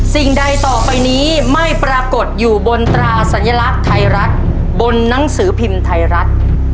สิ่งใดต่อไปนี้ไม่ปรากฏอยู่บนตราสัญลักษณ์ไทยรัฐบนหนังสือพิมพ์ไทยรัฐ